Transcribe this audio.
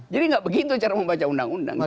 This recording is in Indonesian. jadi tidak begitu cara membaca undang undang